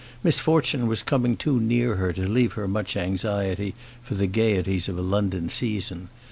Misfortune was coming too near to her to leave her much anxiety for the gaieties of a London season.